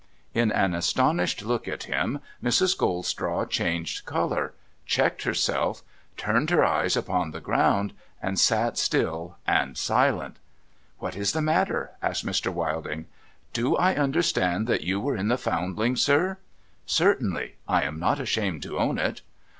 ' In an astonished look at him, Mrs. Goldstraw changed colour, checked herself, turned her eyes upon the ground, and sat still and silent. ' What is the matter ?' asked Mr. Wilding. ' Do I understand that you were in the Foundling, sir ?'' Certainly. I am not ashamed to own it.'